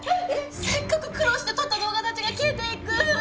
せっかく苦労して撮った動画たちが消えていく！